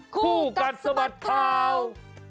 คู่กัดสะบัดข่าว